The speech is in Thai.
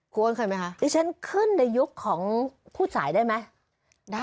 ครูอ้อนเคยไหมคะฉันขึ้นในยุคของผู้สายได้ไหม